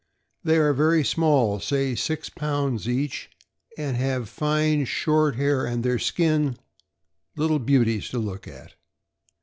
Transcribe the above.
They are very small, say six pounds each, and have fine, short hair, and their skin — little beauties to look at.